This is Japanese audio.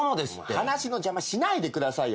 話の邪魔しないでくださいよ。